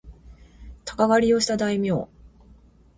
鷹狩をした大名